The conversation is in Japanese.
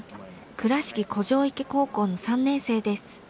倉敷古城池高校の３年生です。